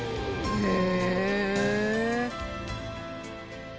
へえ！